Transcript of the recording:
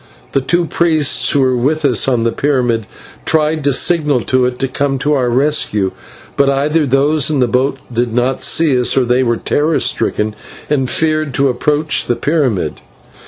The two priests who were with us on the pyramid tried to signal to it to come to our rescue, but either those in the boat did not see us, or they were terror stricken and feared to approach the pyramid.